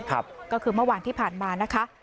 ก็คือเมื่อวานที่ผ่านมานะคะ